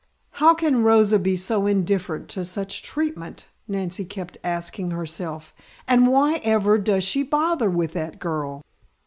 "How can Rosa be so indifferent to such treatment?" Nancy kept asking herself. "And why ever does she bother with that girl?"